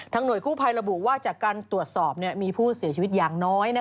หน่วยกู้ภัยระบุว่าจากการตรวจสอบมีผู้เสียชีวิตอย่างน้อย